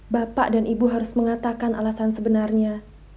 bapak dan ibu harus mengatakan alasan sebenarnya